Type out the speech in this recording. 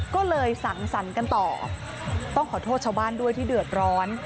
ก็เลยสังสรรค์กันต่อต้องขอโทษชาวบ้านด้วยที่เดือดร้อน